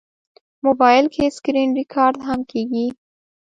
موبایل کې سکرینریکارډ هم کېږي.